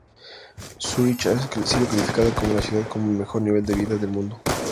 Zúrich ha sido calificada como la ciudad con mejor nivel de vida del mundo.